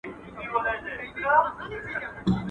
اوس مي تا ته دي راوړي سوغاتونه.